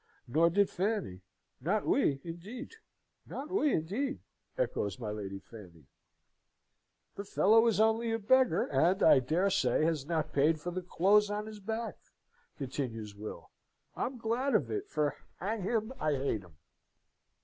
"Nor did Fanny: not we, indeed!" "Not we, indeed!" echoes my Lady Fanny. "The fellow is only a beggar, and, I dare say, has not paid for the clothes on his back," continues Will. "I'm glad of it, for, hang him, I hate him!"